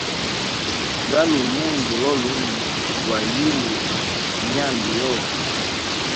Galua munza lolunwe gwa vuye myanda yobe.